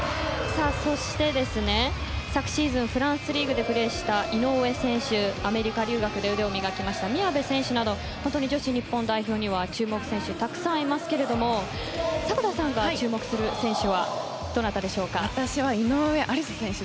そして、昨シーズンフランスリーグでプレーした井上選手、アメリカ留学で腕を磨きました宮部選手など、日本女子代表には注目選手がたくさんいますが迫田さんが注目する選手はどなたでしょうか。